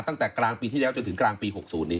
ตั้งแต่กลางปีที่แล้วจนถึงกลางปี๖๐นี้